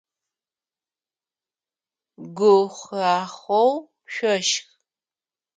Гухахъоу шъошх!